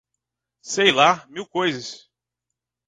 Sei lá, mil coisas!